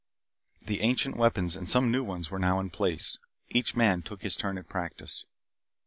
The ancient weapons and some new ones were now in place. Each man took his turn at practice.